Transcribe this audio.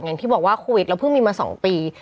อย่างที่บอกว่าโควิดเราเพิ่งมีมา๒ปี